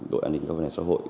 đội an ninh các vấn đề xã hội